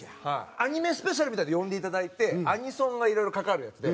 アニメスペシャルみたいなので呼んでいただいてアニソンがいろいろかかるやつで。